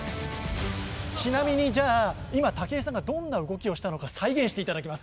ちなみに、今、武井さんがどんな動きをしたのか再現していただきます。